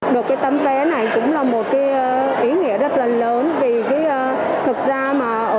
được cái tấm vé này cũng là một cái ý nghĩa rất là lớn